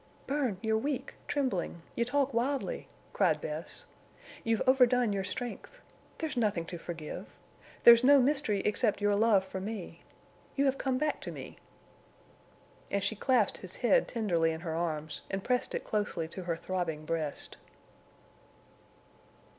"Bern, you're weak—trembling—you talk wildly," cried Bess. "You've overdone your strength. There's nothing to forgive. There's no mystery except your love for me. You have come back to me!" And she clasped his head tenderly in her arms and pressed it closely to her throbbing breast.